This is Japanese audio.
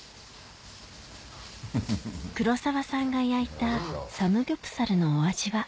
黒沢さんが焼いたサムギョプサルのお味は？